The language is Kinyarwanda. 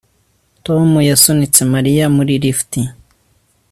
Tom yasunitse Mariya muri lift